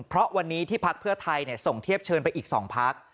เพราะวันนี้ที่พักเพื่อไทยส่งเทียบเชิญไปอีก๒พัก